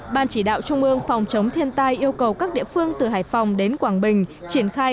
ban chỉ đạo trung ương phòng chống thiên tai yêu cầu các địa phương từ hải phòng đến quảng bình triển khai